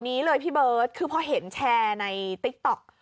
นี้เลยพี่เบิร์ตคือพอเห็นแชร์ในติ๊กต๊อก